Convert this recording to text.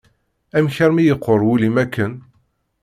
Amek armi yeqqur wul-im akken?